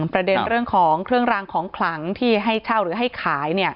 ประเด็นเรื่องของเครื่องรางของขลังที่ให้เช่าหรือให้ขาย